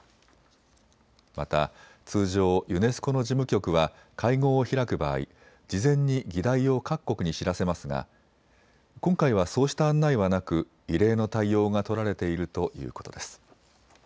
また通常、ユネスコの事務局は会合を開く場合、事前に議題を各国に知らせますが今回はそうした案内はなく異例の対応が取られているということです。